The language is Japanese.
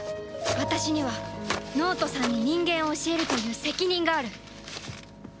私には脳人さんに人間を教えるという責任がある